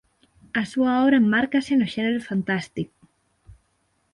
A súa obra enmárcase no xénero fantástico.